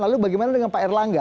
lalu bagaimana dengan pak erlangga